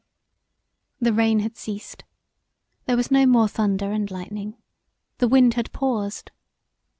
The rain had ceased; there was no more thunder and lightning; the wind had paused.